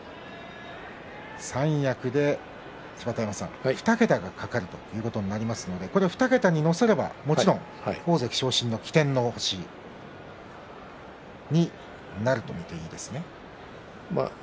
三役で２桁が懸かるということになりますので２桁に乗せればもちろん大関昇進の起点の星になると見ていいですね。